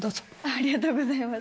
ありがとうございます。